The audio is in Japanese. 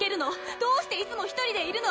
どうしていつも１人でいるの？